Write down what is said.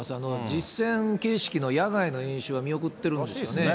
実戦形式の野外の演習は見送ってるんですよね。